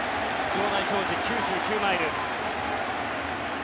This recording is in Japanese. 場内表示９９マイル。